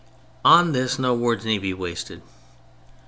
On this no words need be wasted.